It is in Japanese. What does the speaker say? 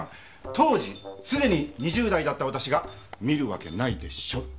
当時すでに２０代だった私が見るわけないでしょ。